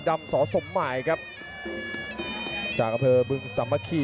สวัสดิ์นุ่มสตึกชัยโลธสวัสดิ์